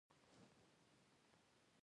د هرات پوهنتون رئیس ډېر دروند عالم و.